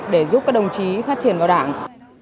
để giúp các đồng chí phát triển vào đảng